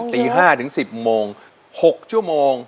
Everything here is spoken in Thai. ตี๕ถึง๑๐โมง๖ชั่วโมง